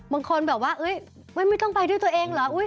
บางคนแบบว่าไม่ต้องไปด้วยตัวเองเหรอ